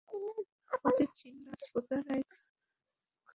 অজিত সিং রাজপুতানায় খেতড়ি রাজ্যের রাজা, স্বামীজীর শিষ্য।